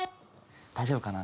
大丈夫かな？